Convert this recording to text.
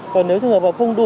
còn nếu trường hợp không đủ